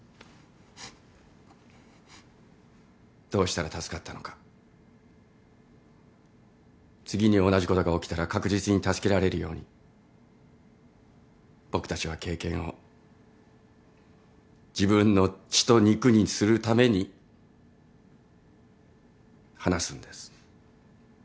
どうしたら助かったのか次に同じことが起きたら確実に助けられるように僕たちは経験を自分の血と肉にするために話すんです。